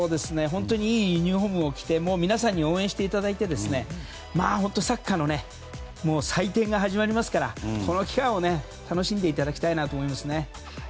本当に、いいユニホームを着て皆さんに応援していただいてサッカーの祭典が始まりますからこの機会を楽しんでいただきたいなと思いますね。